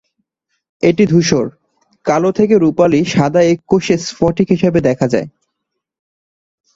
এটি ধূসর, কালো থেকে রূপালি সাদা এককোষী স্ফটিক হিসেবে দেখা যায়।